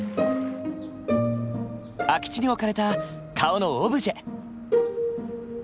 空き地に置かれた顔のオブジェ。